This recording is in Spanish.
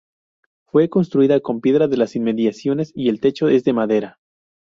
Fue construida con piedra de las inmediaciones, y el techo es de madera.